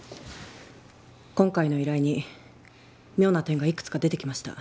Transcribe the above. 今回の依頼に妙な点がいくつか出てきました。